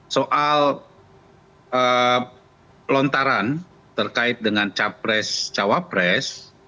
soal lontaran terkait dengan capres cawapres